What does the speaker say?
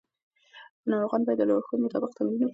ناروغان باید د لارښود مطابق تمرین وکړي.